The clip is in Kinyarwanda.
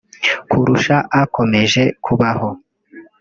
kurusha akomeje kubaho